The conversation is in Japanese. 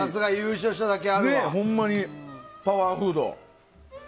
ほんまにパワーフード。